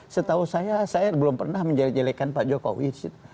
setahu saya saya belum pernah menjelek jelekan pak jokowi